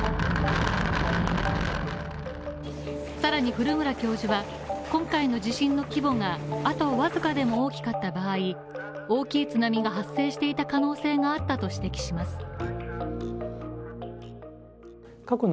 更に古村教授は、今回の地震の規模があと僅かでも大きかった場合、大きい津波が発生していた可能性があったと指摘します。